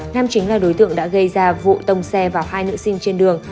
nam chính là đối tượng đã gây ra vụ tông xe vào hai nữ sinh trên đường